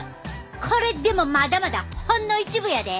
これでもまだまだほんの一部やで！